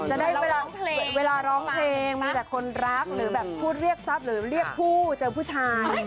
จะได้ไปร้องเพลงเวลาร้องเพลงมีแต่คนรักหรือแบบพูดเรียกทรัพย์หรือเรียกผู้เจอผู้ชาย